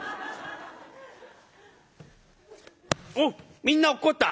「おうみんな落っこった」。